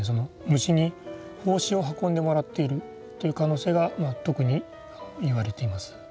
虫に胞子を運んでもらっているという可能性が特に言われています。